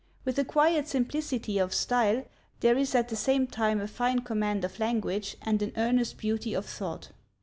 With a quiet simplicity of style there is at the same time a fine command of language and an earnest beauty of thought.